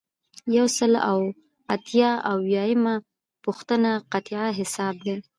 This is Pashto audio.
یو سل او اته اویایمه پوښتنه قطعیه حساب دی.